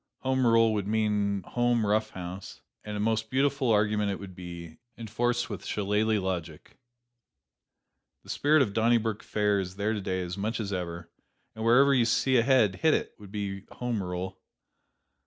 Home rule would mean home rough house and a most beautiful argument it would be, enforced with shillalah logic. The spirit of Donnybrook Fair is there today as much as ever, and wherever you see a head, hit it, would be home rule.